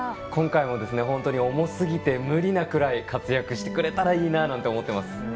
今回も本当に重すぎて無理なくらい活躍してくれたらいいなと思っています。